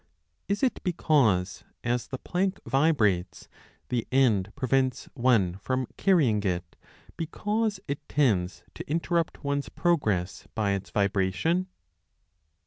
Is it because, as the plank vibrates, the end prevents one from carrying it, because it tends to interrupt one s progress by its vibration